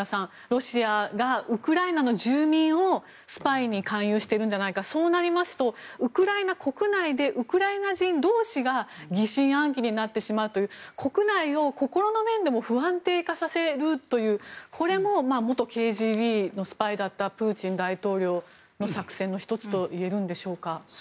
ロシアがウクライナの住民をスパイに勧誘してるんじゃないかそうなりますとウクライナ国内でウクライナ人同士が疑心暗鬼になってしまうという国内を心の面でも不安定化させるというこれも元ＫＧＢのスパイだったプーチン大統領の作戦の１つといえるんでしょうか。